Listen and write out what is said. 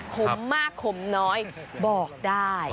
ขมมากขมน้อยบอกได้